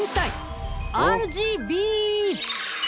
ＲＧＢーズ！